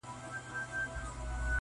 • کبرجن د خدای ج دښمن دئ -